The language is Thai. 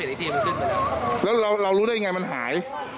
เห็นอีกทีมันขึ้นซักทีและเรารู้ได้ยังไงมันหาย